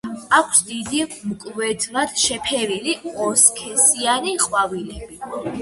აქვს დიდი, მკვეთრად შეფერილი ორსქესიანი ყვავილები.